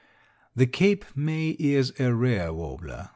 The Cape May is a rare warbler.